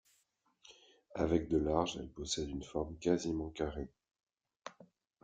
Avec de large, elle possède une forme quasiment carrée.